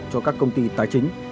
cho các công ty tái chính